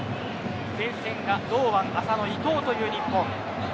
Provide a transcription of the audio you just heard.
前線が堂安、浅野、伊東という日本。